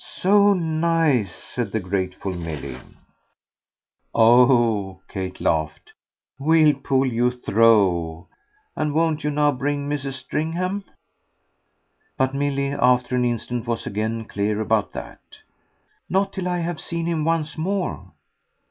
"So nice," said the grateful Milly. "Oh," Kate laughed, "we'll pull you through! And won't you now bring Mrs. Stringham?" But Milly after an instant was again clear about that. "Not till I've seen him once more."